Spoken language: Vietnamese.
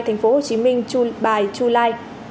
thành phố hồ chí minh by july